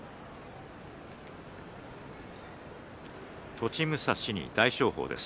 栃武蔵に大翔鵬です。